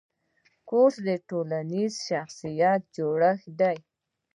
کورس د ټولنیز شخصیت جوړښت دی.